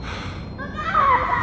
お母さん！